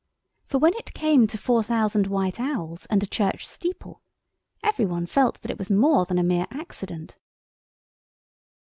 For when it came to four thousand white owls and a church steeple every one felt that it was more than a mere accident.